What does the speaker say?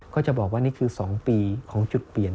ก็จะบอกว่านี่คือ๒ปีของจุดเปลี่ยน